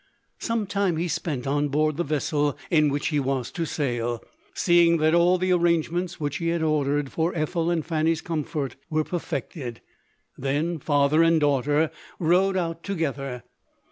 Some time he spent on board the vessel in which he was to sail ; seeing that all the arrangements which he had ordered for Ethel and Fanny's comfort were perfected ; then father and daughter rode out together.